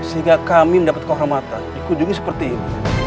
sehingga kami mendapat kehormatan dikunjungi seperti ini